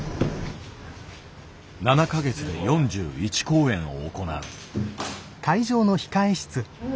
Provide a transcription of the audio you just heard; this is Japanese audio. ７か月で４１公演を行う。